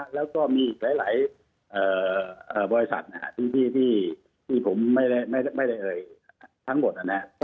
แล้วก็มีอีกหลายบริษัทที่ผมไม่ได้เอ่ยทั้งหมด